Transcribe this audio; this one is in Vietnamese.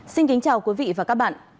xin kính chào quý vị và các bạn